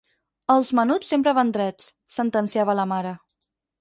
"Els menuts sempre van drets", sentenciava la mare.